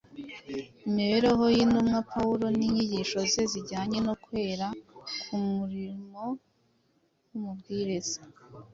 Imibereho y’intumwa Pawulo n’inyigisho ze zijyanye no kwera k’umurimo w’umubwiriza.